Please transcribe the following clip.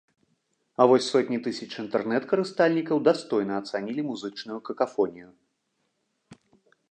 А вось сотні тысяч інтэрнэт-карыстальнікаў дастойна ацанілі музычную какафонію.